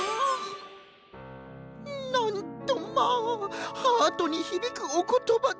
なんとまあハートにひびくおことばでございます。